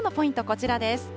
こちらです。